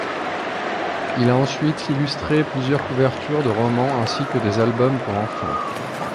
Il a ensuite illustré plusieurs couvertures de romans ainsi que des albums pour enfants.